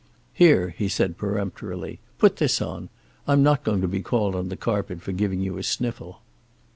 "Here," he said peremptorily, "put this on. I'm not going to be called on the carpet for giving you a sniffle."